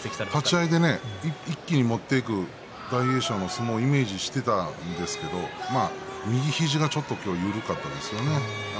立ち合いで一気に持っていく大栄翔の相撲イメージしていたんですけど右肘が今日、緩かったですね。